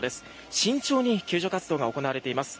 慎重に救助活動が行われています。